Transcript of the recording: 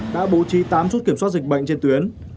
đã bố trí tám chốt kiểm soát dịch bệnh trên tuyến